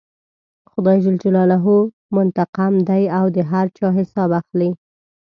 خدای جل جلاله منتقم دی او د هر چا حساب اخلي.